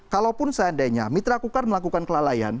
kalaupun seandainya mitra kukar melakukan kelalaian